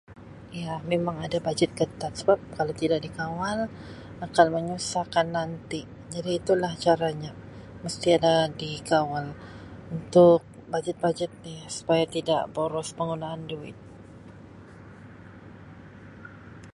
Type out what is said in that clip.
Ya memang ada bajet ketat sebab kalau tidak dikawal akan menyusahkan nanti jadi itulah caranya mesti ada dikawal untuk bajet-bajet ni supaya tidak boros penggunaan duit.